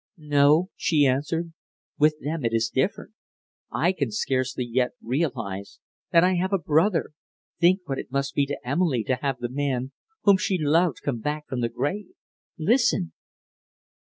"No!" she answered. "With them it is different. I can scarcely yet realize that I have a brother: think what it must be to Emilie to have the man whom she loved come back from the grave. Listen!"